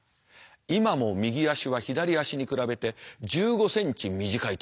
今も右足は左足に比べて１５ｃｍ短いという。